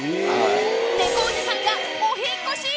猫おじさんがお引っ越し。